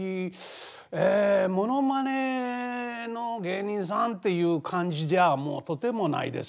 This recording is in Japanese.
えものまねの芸人さんっていう感じじゃもうとてもないです。